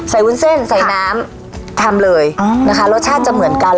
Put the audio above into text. วุ้นเส้นใส่น้ำทำเลยนะคะรสชาติจะเหมือนกัน